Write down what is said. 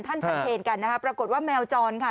ท่านฉันเผยกันนะปรากฏว่าแมวจอนค่ะ